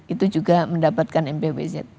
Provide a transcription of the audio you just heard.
itu juga mendapatkan mpvz